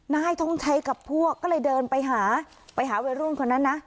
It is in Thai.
นายทงชัยกับพวกก็เลยเดินไปหาไปหาวัยรุ่นคนนั้นนะ